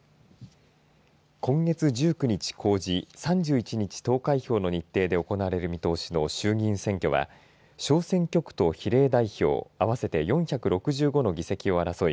今月１９日、公示３１日、投開票の日程で行われる見通しの衆議院選挙は小選挙区と比例代表合わせて４６５の議席を争い